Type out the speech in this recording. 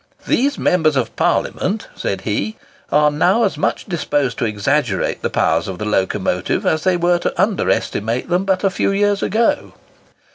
"These members of Parliament," said he, "are now as much disposed to exaggerate the powers of the locomotive, as they were to under estimate them but a few years ago."